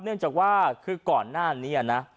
เนื่องจากว่าคือก่อนหน้านี้นะ